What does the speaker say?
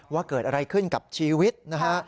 ว่าเกิดอะไรขึ้นกับชีวิตนะฮะ